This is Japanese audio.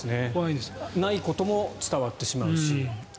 ないことも伝わってしまうし。